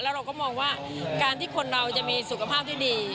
เราก็มองว่าการที่คนเราจะมีสุขภาพที่ดี